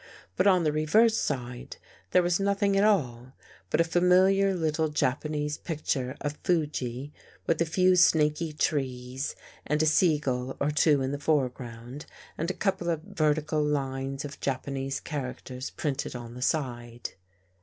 But, on the reverse side, there was nothing at all, but a familiar little Japanese picture of Fuji with a few snaky trees and a sea gull or two in the foreground and a couple of vertical lines of Japanese characters printed on the side.